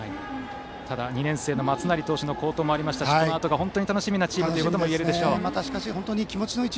ただ、２年生の松成投手の好投もありましたしこのあとが楽しみなチームだといえるでしょう。